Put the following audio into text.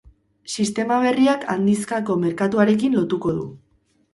Sistema berriak handizkako merkatuarekin lotuko du.